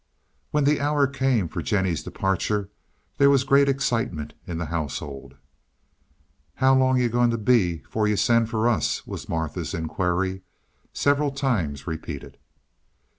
When the hour came for Jennie's departure there was great excitement in the household. "How long you going to be 'fore you send for us?" was Martha's inquiry, several times repeated.